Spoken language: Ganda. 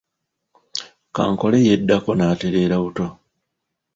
Kankole yeddako n’atereera buto.